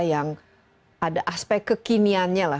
yang ada aspek kekiniannya